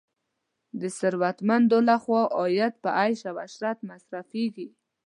د ثروتمندو لخوا عاید په عیش او عشرت مصرف کیږي.